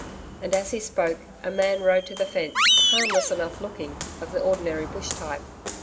And as he spoke, a man rode to the fence, harmless enough looking, of the ordinary bush type.